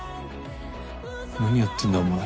何やってんだお前。